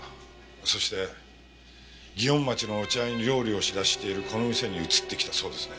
そして祇園町のお茶屋に料理を仕出ししているこの店に移ってきたそうですね。